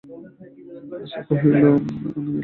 আশা কহিল, আমি কি লিখিতে জানি।